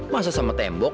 masa sama tembok